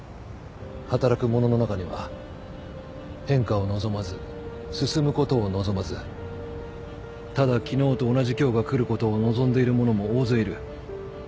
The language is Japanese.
働く者の中には変化を望まず進むことを望まずただ昨日と同じ今日が来ることを望んでいる者も大勢いる。